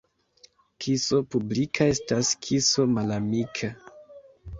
Kiso publika estas kiso malamika.